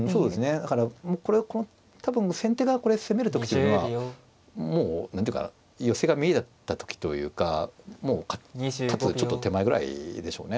だからもうこれはこの多分先手がこれ攻める時っていうのはもう何ていうか寄せが見えた時というかもう勝つちょっと手前ぐらいでしょうね